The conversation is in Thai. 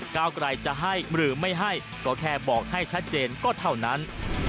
ก้าวไกลจะให้หรือไม่ให้ก็แค่บอกให้ชัดเจนก็เท่านั้น